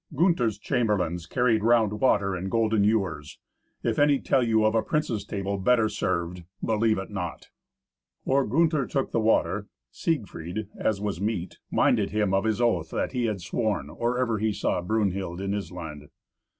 Gunther's chamberlains carried round water in golden ewers. If any tell you of a prince's table better served, believe it not. Or Gunther took the water, Siegfried, as was meet, minded him of his oath that he had sworn or ever he saw Brunhild in Issland.